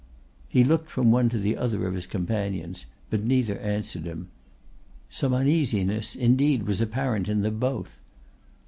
He looked from one to the other of his companions, but neither answered him. Some uneasiness indeed was apparent in them both.